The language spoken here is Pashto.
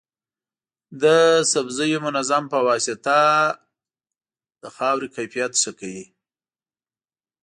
د سبزیو منظم پواسطه د خاورې کیفیت ښه کوي.